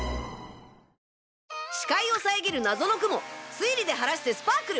視界を遮る謎の雲推理で晴らしてスパークル！